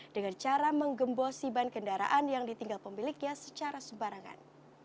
dengan cara menggembosi ban kendaraan yang ditinggal pemiliknya secara sembarangan